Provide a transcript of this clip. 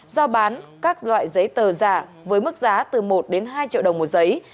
giao bán các loại giấy tờ giả với mức giá từ một đến hai triệu đồng một giấy